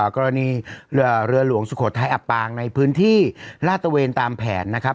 กรณีเรือหลวงสุโขทัยอับปางในพื้นที่ลาดตะเวนตามแผนนะครับ